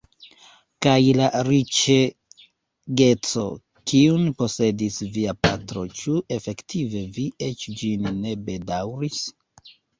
Kaj la riĉegeco, kiun posedis via patro, ĉu efektive vi eĉ ĝin ne bedaŭris?